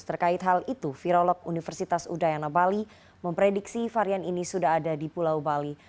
terkait hal itu virolog universitas udayana bali memprediksi varian ini sudah ada di pulau bali